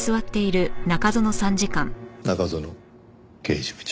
中園刑事部長。